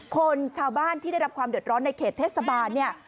คนชาวบ้านที่ได้รับความเดือดร้อนในเขตเทศบาลเนี่ย